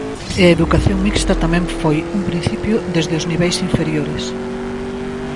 E a educación mixta tamén foi un principio desde os niveis inferiores.